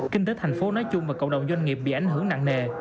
kinh tế thành phố nói chung và cộng đồng doanh nghiệp bị ảnh hưởng nặng nề